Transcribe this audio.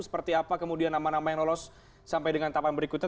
seperti apa nama nama yang lolos sampai dengan tapan berikuta